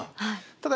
ただ